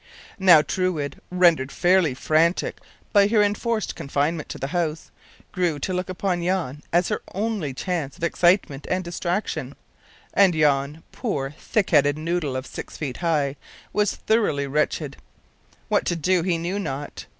Now Truide, rendered fairly frantic by her enforced confinement to the house, grew to look upon Jan as her only chance of excitement and distraction; and Jan, poor, thick headed noodle of six feet high, was thoroughly wretched. What to do he knew not.